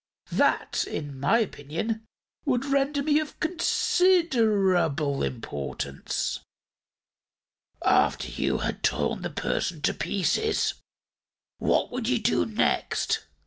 That, in my opinion, would render me of considerable importance." "After you had torn the person to pieces, what would you do next?"